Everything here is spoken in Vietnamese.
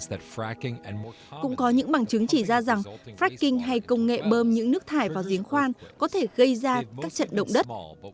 cũng có những bằng chứng chỉ ra rằng fracking hay công nghệ bơm những nước thải vào giếng khoan có thể gây ra các trận động đất